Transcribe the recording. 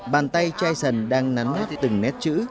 bàn tay chai sần đang nắn hết từng nét chữ